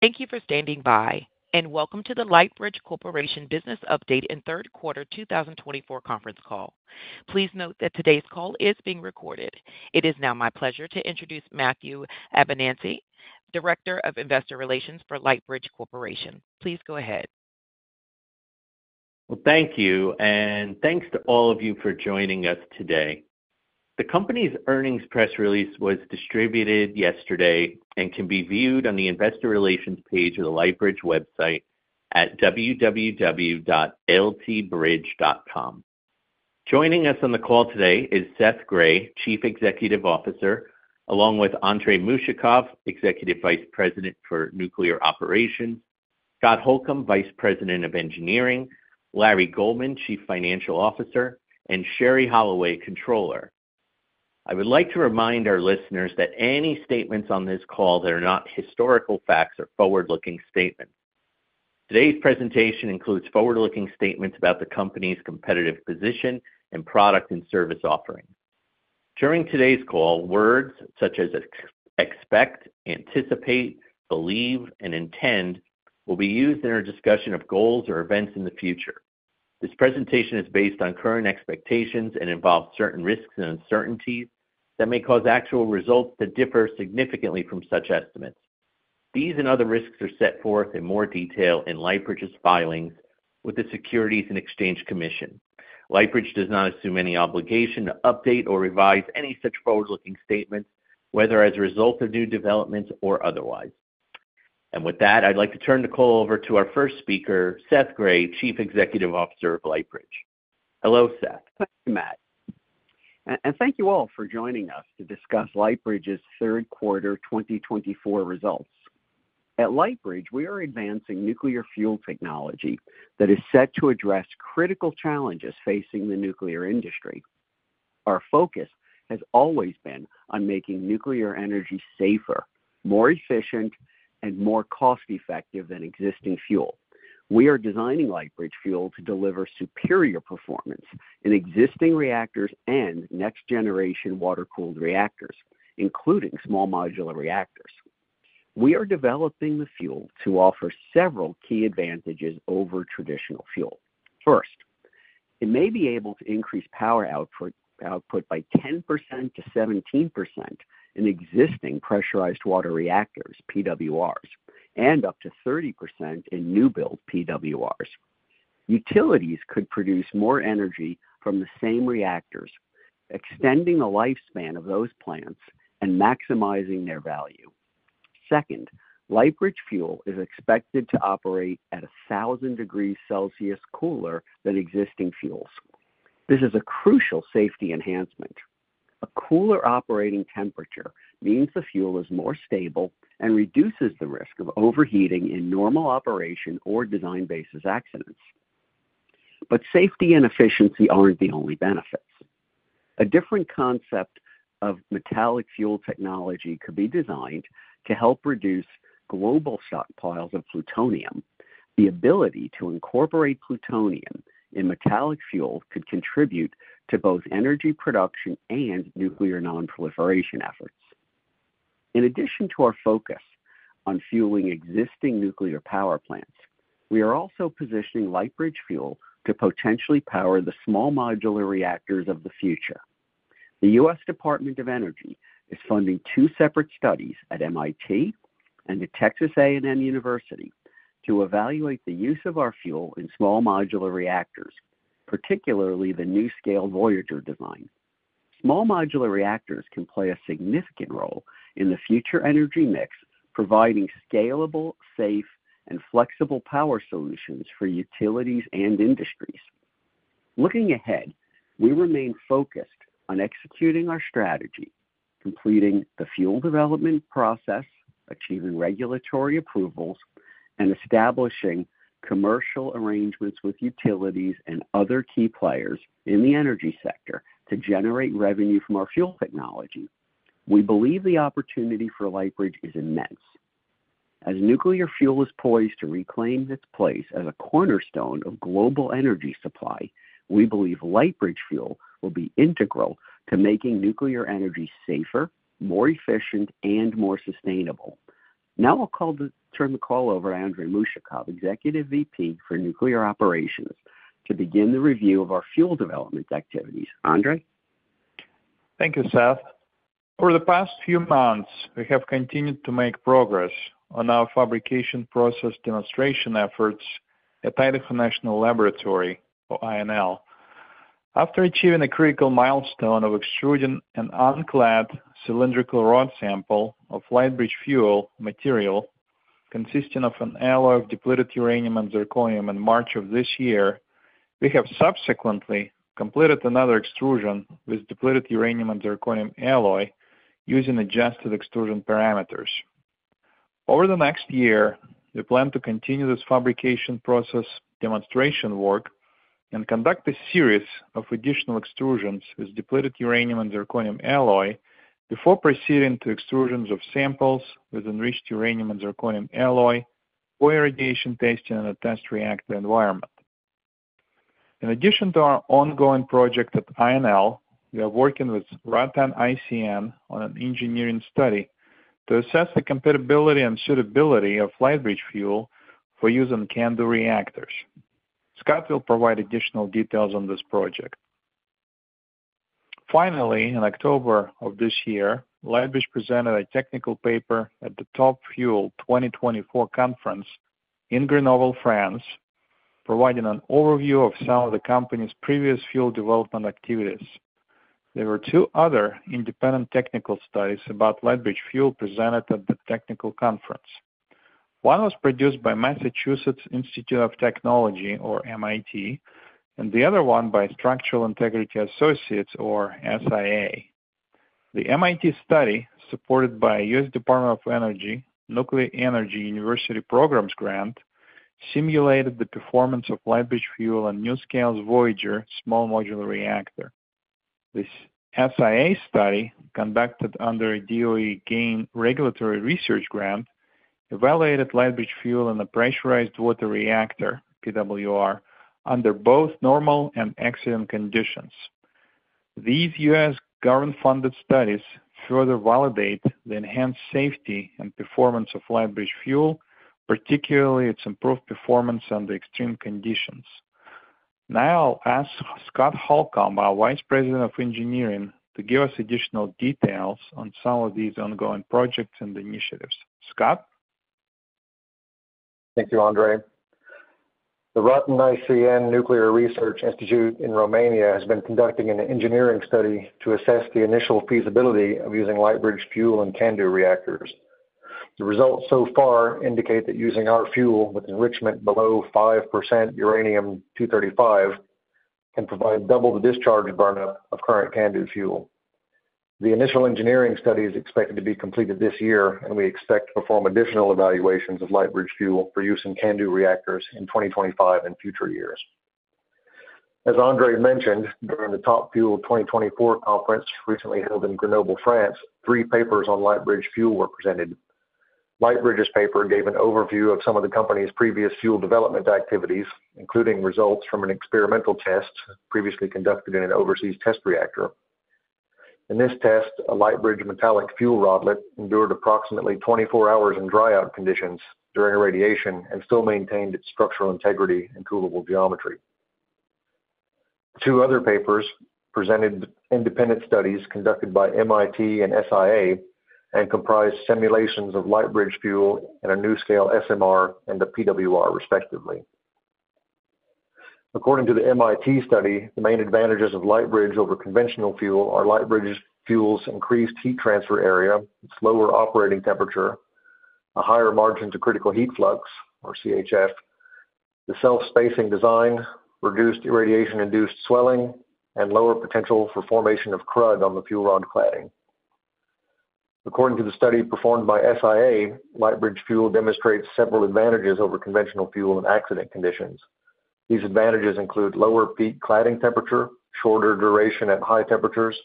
Thank you for standing by, and welcome to the Lightbridge Corporation Business Update and Third Quarter 2024 conference call. Please note that today's call is being recorded. It is now my pleasure to introduce Matthew Abenante, Director of Investor Relations for Lightbridge Corporation. Please go ahead. Well, thank you, and thanks to all of you for joining us today. The company's earnings press release was distributed yesterday and can be viewed on the Investor Relations page of the Lightbridge website at www.ltbridge.com. Joining us on the call today is Seth Grae, Chief Executive Officer, along with Andrey Mushakov, Executive Vice President for Nuclear Operations, Scott Holcombe, Vice President of Engineering, Larry Goldman, Chief Financial Officer, and Sherrie Holloway, Controller. I would like to remind our listeners that any statements on this call that are not historical facts are forward-looking statements. Today's presentation includes forward-looking statements about the company's competitive position and product and service offering. During today's call, words such as expect, anticipate, believe, and intend will be used in our discussion of goals or events in the future. This presentation is based on current expectations and involves certain risks and uncertainties that may cause actual results that differ significantly from such estimates. These and other risks are set forth in more detail in Lightbridge's filings with the Securities and Exchange Commission. Lightbridge does not assume any obligation to update or revise any such forward-looking statements, whether as a result of new developments or otherwise. And with that, I'd like to turn the call over to our first speaker, Seth Grae, Chief Executive Officer of Lightbridge. Hello, Seth. Thank you, Matt, and thank you all for joining us to discuss Lightbridge's Third Quarter 2024 results. At Lightbridge, we are advancing nuclear fuel technology that is set to address critical challenges facing the nuclear industry. Our focus has always been on making nuclear energy safer, more efficient, and more cost-effective than existing fuel. We are designing Lightbridge fuel to deliver superior performance in existing reactors and next-generation water-cooled reactors, including small modular reactors. We are developing the fuel to offer several key advantages over traditional fuel. First, it may be able to increase power output by 10% to 17% in existing pressurized water reactors, PWRs, and up to 30% in new-build PWRs. Utilities could produce more energy from the same reactors, extending the lifespan of those plants and maximizing their value. Second, Lightbridge fuel is expected to operate at 1,000 degrees Celsius cooler than existing fuels. This is a crucial safety enhancement. A cooler operating temperature means the fuel is more stable and reduces the risk of overheating in normal operation or design basis accidents. But safety and efficiency aren't the only benefits. A different concept of metallic fuel technology could be designed to help reduce global stockpiles of plutonium. The ability to incorporate plutonium in metallic fuel could contribute to both energy production and nuclear non-proliferation efforts. In addition to our focus on fueling existing nuclear power plants, we are also positioning Lightbridge fuel to potentially power the small modular reactors of the future. The U.S. Department of Energy is funding two separate studies at MIT and at Texas A&M University to evaluate the use of our fuel in small modular reactors, particularly the NuScale VOYGR design. Small modular reactors can play a significant role in the future energy mix, providing scalable, safe, and flexible power solutions for utilities and industries. Looking ahead, we remain focused on executing our strategy, completing the fuel development process, achieving regulatory approvals, and establishing commercial arrangements with utilities and other key players in the energy sector to generate revenue from our fuel technology. We believe the opportunity for Lightbridge is immense. As nuclear fuel is poised to reclaim its place as a cornerstone of global energy supply, we believe Lightbridge fuel will be integral to making nuclear energy safer, more efficient, and more sustainable. Now I'll turn the call over to Andrey Mushakov, Executive VP for Nuclear Operations, to begin the review of our fuel development activities. Andrey? Thank you, Seth. Over the past few months, we have continued to make progress on our fabrication process demonstration efforts at Idaho National Laboratory, or INL. After achieving a critical milestone of extruding an unclad cylindrical rod sample of Lightbridge fuel material consisting of an alloy of depleted uranium and zirconium in March of this year, we have subsequently completed another extrusion with depleted uranium and zirconium alloy using adjusted extrusion parameters. Over the next year, we plan to continue this fabrication process demonstration work and conduct a series of additional extrusions with depleted uranium and zirconium alloy before proceeding to extrusions of samples with enriched uranium and zirconium alloy for irradiation testing in a test reactor environment. In addition to our ongoing project at INL, we are working with RATEN ICN on an engineering study to assess the compatibility and suitability of Lightbridge fuel for use in CANDU reactors. Scott will provide additional details on this project. Finally, in October of this year, Lightbridge presented a technical paper at the Top Fuel 2024 conference in Grenoble, France, providing an overview of some of the company's previous fuel development activities. There were two other independent technical studies about Lightbridge fuel presented at the technical conference. One was produced by Massachusetts Institute of Technology, or MIT, and the other one by Structural Integrity Associates, or SIA. The MIT study, supported by U.S. Department of Energy Nuclear Energy University Programs grant, simulated the performance of Lightbridge fuel in NuScale Voyager small modular reactor. This SIA study, conducted under a DOE GAIN regulatory research grant, evaluated Lightbridge fuel in a pressurized water reactor, PWR, under both normal and accident conditions. These U.S. government-funded studies further validate the enhanced safety and performance of Lightbridge fuel, particularly its improved performance under extreme conditions. Now I'll ask Scott Holcomb, our Vice President of Engineering, to give us additional details on some of these ongoing projects and initiatives. Scott? Thank you, Andrey. The RATEN ICN Nuclear Research Institute in Romania has been conducting an engineering study to assess the initial feasibility of using Lightbridge Fuel in CANDU reactors. The results so far indicate that using our fuel with enrichment below 5% uranium-235 can provide double the discharge burnup of current CANDU fuel. The initial engineering study is expected to be completed this year, and we expect to perform additional evaluations of Lightbridge Fuel for use in CANDU reactors in 2025 and future years. As Andrey mentioned, during the Top Fuel 2024 conference recently held in Grenoble, France, three papers on Lightbridge Fuel were presented. Lightbridge's paper gave an overview of some of the company's previous fuel development activities, including results from an experimental test previously conducted in an overseas test reactor. In this test, a Lightbridge metallic fuel rodlet endured approximately 24 hours in dry-out conditions during irradiation and still maintained its structural integrity and coolable geometry. Two other papers presented independent studies conducted by MIT and SIA and comprised simulations of Lightbridge fuel in a NuScale SMR and a PWR, respectively. According to the MIT study, the main advantages of Lightbridge over conventional fuel are Lightbridge fuel's increased heat transfer area, its lower operating temperature, a higher margin to critical heat flux, or CHF, the self-spacing design, reduced irradiation-induced swelling, and lower potential for formation of crud on the fuel rod cladding. According to the study performed by SIA, Lightbridge fuel demonstrates several advantages over conventional fuel in accident conditions. These advantages include lower peak cladding temperature, shorter duration at high temperatures,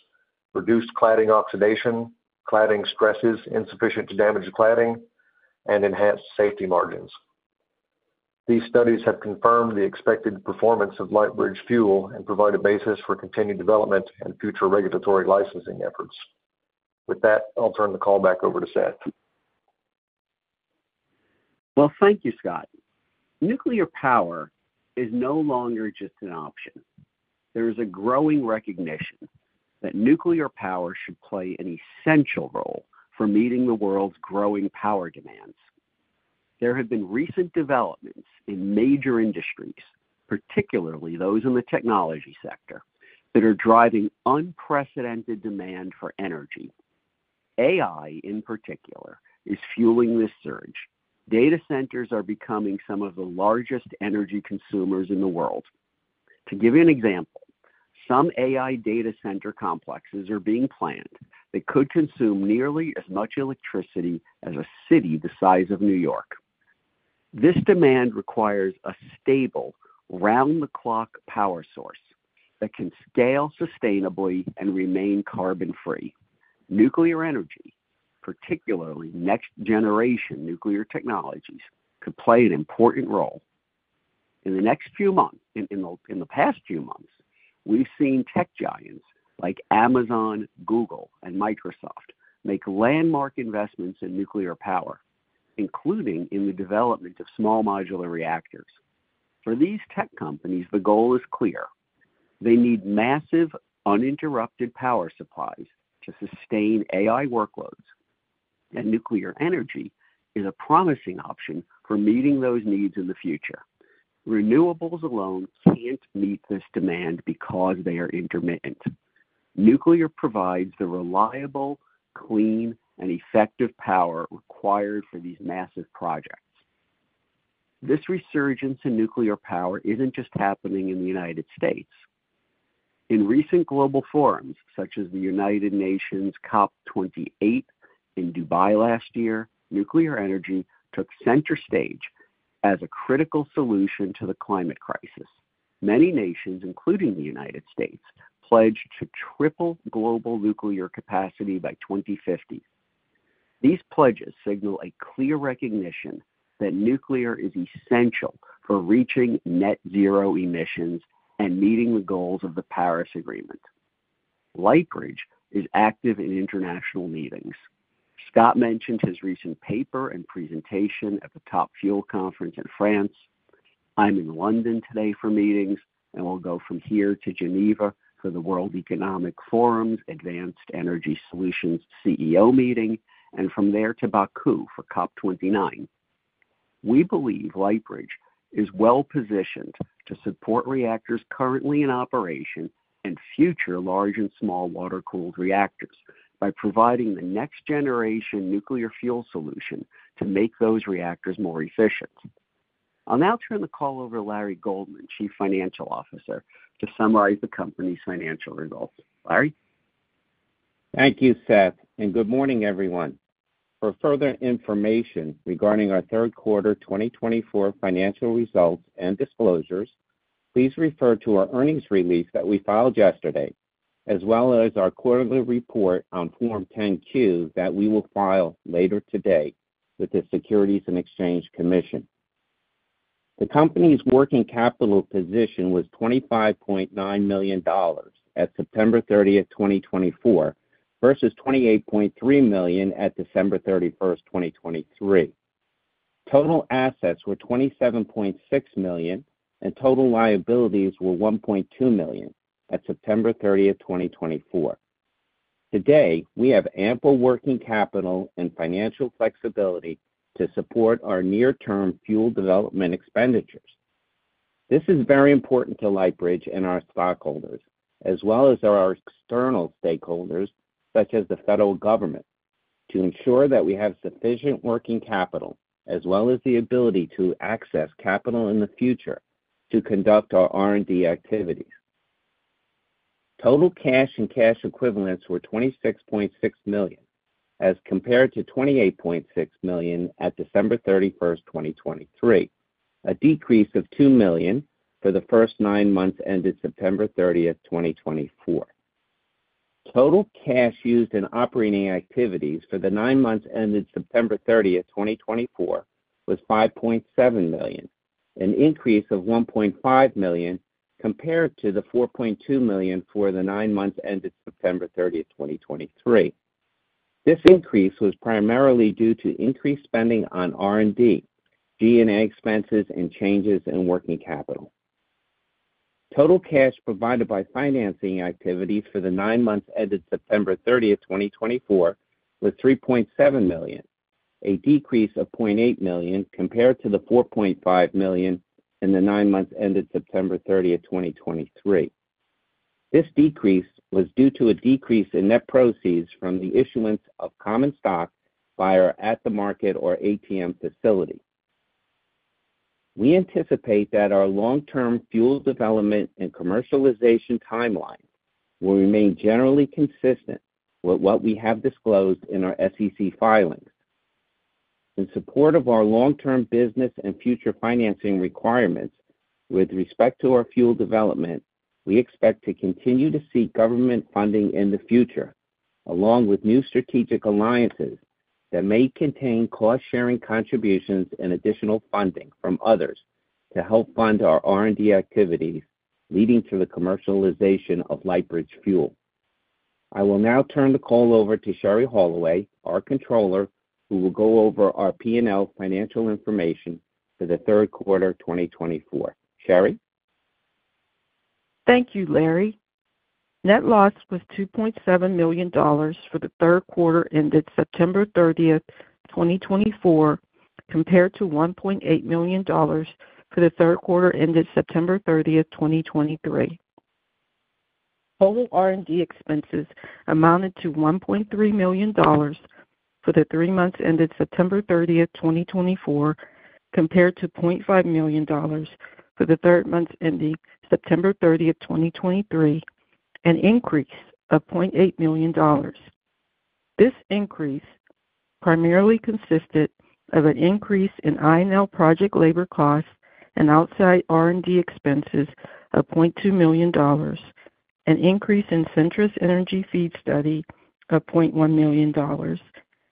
reduced cladding oxidation, cladding stresses insufficient to damage cladding, and enhanced safety margins. These studies have confirmed the expected performance of Lightbridge Fuel and provide a basis for continued development and future regulatory licensing efforts. With that, I'll turn the call back over to Seth. Thank you, Scott. Nuclear power is no longer just an option. There is a growing recognition that nuclear power should play an essential role for meeting the world's growing power demands. There have been recent developments in major industries, particularly those in the technology sector, that are driving unprecedented demand for energy. AI, in particular, is fueling this surge. Data centers are becoming some of the largest energy consumers in the world. To give you an example, some AI data center complexes are being planned that could consume nearly as much electricity as a city the size of New York. This demand requires a stable, round-the-clock power source that can scale sustainably and remain carbon-free. Nuclear energy, particularly next-generation nuclear technologies, could play an important role. In the next few months, in the past few months, we've seen tech giants like Amazon, Google, and Microsoft make landmark investments in nuclear power, including in the development of small modular reactors. For these tech companies, the goal is clear. They need massive, uninterrupted power supplies to sustain AI workloads, and nuclear energy is a promising option for meeting those needs in the future. Renewables alone can't meet this demand because they are intermittent. Nuclear provides the reliable, clean, and effective power required for these massive projects. This resurgence in nuclear power isn't just happening in the United States. In recent global forums, such as the United Nations COP28 in Dubai last year, nuclear energy took center stage as a critical solution to the climate crisis. Many nations, including the United States, pledged to triple global nuclear capacity by 2050. These pledges signal a clear recognition that nuclear is essential for reaching net-zero emissions and meeting the goals of the Paris Agreement. Lightbridge is active in international meetings. Scott mentioned his recent paper and presentation at the Top Fuel Conference in France. I'm in London today for meetings, and we'll go from here to Geneva for the World Economic Forum's Advanced Energy Solutions CEO meeting, and from there to Baku for COP29. We believe Lightbridge is well-positioned to support reactors currently in operation and future large and small water-cooled reactors by providing the next-generation nuclear fuel solution to make those reactors more efficient. I'll now turn the call over to Larry Goldman, Chief Financial Officer, to summarize the company's financial results. Larry? Thank you, Seth, and good morning, everyone. For further information regarding our third quarter 2024 financial results and disclosures, please refer to our earnings release that we filed yesterday, as well as our quarterly report on Form 10-Q that we will file later today with the Securities and Exchange Commission. The company's working capital position was $25.9 million at September 30, 2024, versus $28.3 million at December 31, 2023. Total assets were $27.6 million, and total liabilities were $1.2 million at September 30, 2024. Today, we have ample working capital and financial flexibility to support our near-term fuel development expenditures. This is very important to Lightbridge and our stockholders, as well as our external stakeholders, such as the federal government, to ensure that we have sufficient working capital, as well as the ability to access capital in the future to conduct our R&D activities. Total cash and cash equivalents were $26.6 million, as compared to $28.6 million at December 31, 2023, a decrease of $2 million for the first nine months ended September 30, 2024. Total cash used in operating activities for the nine months ended September 30, 2024, was $5.7 million, an increase of $1.5 million compared to the $4.2 million for the nine months ended September 30, 2023. This increase was primarily due to increased spending on R&D, G&A expenses, and changes in working capital. Total cash provided by financing activities for the nine months ended September 30, 2024, was $3.7 million, a decrease of $0.8 million compared to the $4.5 million in the nine months ended September 30, 2023. This decrease was due to a decrease in net proceeds from the issuance of common stock via our at-the-market or ATM facility. We anticipate that our long-term fuel development and commercialization timeline will remain generally consistent with what we have disclosed in our SEC filings. In support of our long-term business and future financing requirements with respect to our fuel development, we expect to continue to seek government funding in the future, along with new strategic alliances that may contain cost-sharing contributions and additional funding from others to help fund our R&D activities leading to the commercialization of Lightbridge fuel. I will now turn the call over to Sherrie Holloway, our Controller, who will go over our P&L financial information for the third quarter 2024. Sherrie? Thank you, Larry. Net loss was $2.7 million for the third quarter ended September 30, 2024, compared to $1.8 million for the third quarter ended September 30, 2023. Total R&D expenses amounted to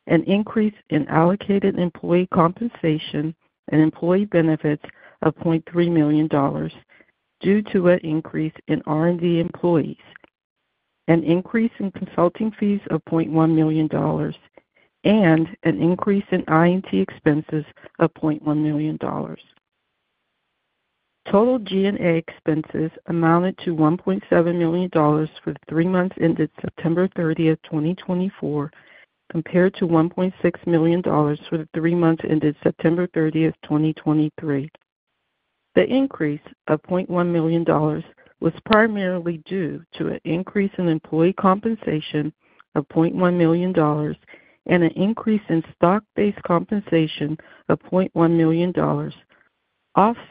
million for the three months ended September 30, 2024, compared to $0.5 million for the third month ending September 30, 2023, an increase of $0.8 million. This increase primarily consisted of an increase in INL project labor costs and outside R&D expenses of $0.2 million, an increase in Centris Energy fee study of $0.1 million, an increase in allocated employee compensation and employee benefits of $0.3 million due to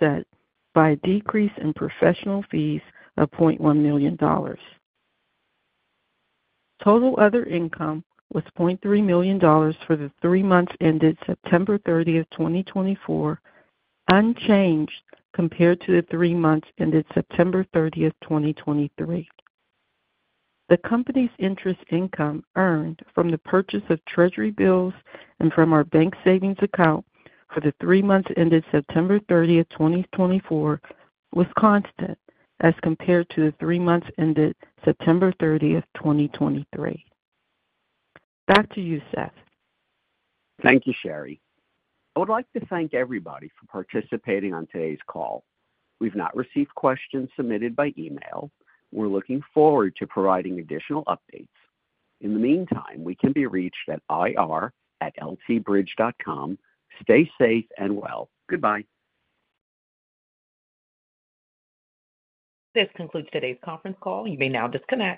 an increase in R&D employees, an increase in consulting fees of $0.1 million, and an increase in IT expenses of $0.1 million. Total G&A expenses amounted to $1.7 million for the three months ended September 30, 2024, compared to $1.6 million for the three months ended September 30, 2023. The increase of $0.1 million was primarily due to an increase in employee compensation of $0.1 million and an increase in stock-based compensation of $0.1 million, offset by a decrease in professional fees of $0.1 million. Total other income was $0.3 million for the three months ended September 30, 2024, unchanged compared to the three months ended September 30, 2023. The company's interest income earned from the purchase of treasury bills and from our bank savings account for the three months ended September 30, 2024, was constant as compared to the three months ended September 30, 2023. Back to you, Seth. Thank you, Sherrie. I would like to thank everybody for participating on today's call. We've not received questions submitted by email. We're looking forward to providing additional updates. In the meantime, we can be reached at ir@ltbridge.com. Stay safe and well. Goodbye. This concludes today's conference call. You may now disconnect.